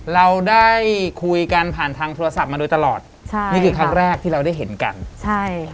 เราได้คุยกันผ่านทางโทรศัพท์มาโดยตลอดใช่นี่คือครั้งแรกที่เราได้เห็นกันใช่